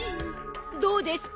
どうですか？